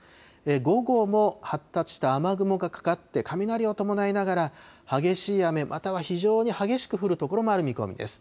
午後も発達した雨雲がかかって、雷を伴いながら、激しい雨、または非常に激しく降る所もある見込みです。